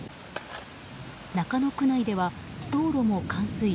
中野区内では道路も冠水。